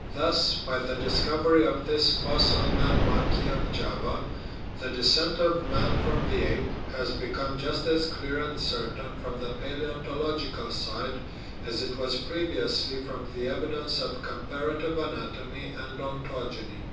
Thus, by the discovery of this fossil man monkey of Java the descent of man from the ape has become just as clear and certain from the palaeontological side as it was previously from the evidence of comparative anatomy and ontogeny.